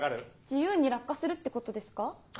自由に落下するってことですか？